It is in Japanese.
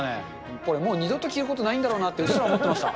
これもう、二度と着ることないんだろうなと、うっすら思ってました。